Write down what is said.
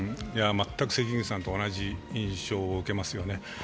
全く関口さんと同じ印象を受けますよね。